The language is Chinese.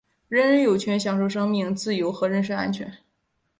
人人有权享有生命、自由和人身安全。